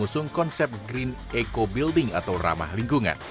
mengusung konsep green eco building atau ramah lingkungan